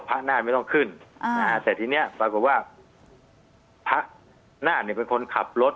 นาฏไม่ต้องขึ้นแต่ทีนี้ปรากฏว่าพระนาฏเนี่ยเป็นคนขับรถ